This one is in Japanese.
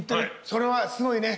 それはすごいね。